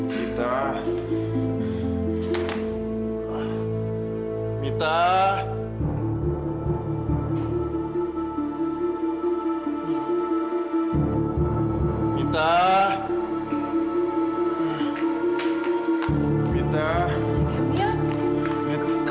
sampai jumpa di video selanjutnya